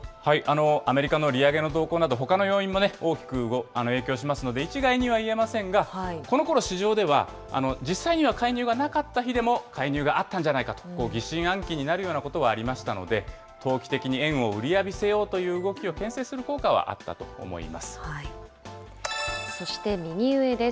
アメリカの利上げの動向など、ほかの要因も大きく影響しますので、一概には言えませんが、このころ、市場では、実際には介入がなかった日でも、介入があったんじゃないかと、疑心暗鬼になるようなことはありましたので、投機的に円を売り浴びせようという動きをけん制する効果はあったと思います。